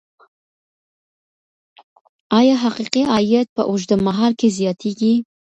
ایا حقیقي عاید په اوږدمهال کي زیاتیږي؟